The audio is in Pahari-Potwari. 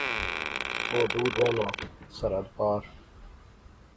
او دور رہنا، سرحد پار